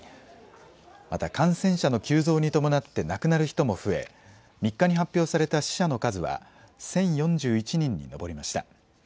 また感染者の急増に伴って亡くなる人も増え３日に発表された死者の数は１０４１人に上りました。